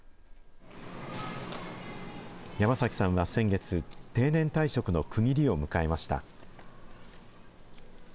山崎さんは先月、定年退職の区切りを迎えました。